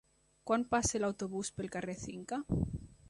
Quan passa l'autobús pel carrer Cinca?